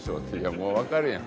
もうわかるやん。